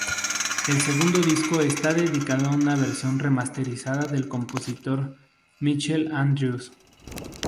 El segundo disco está dedicado a una versión remasterizada del compositor Michael Andrews.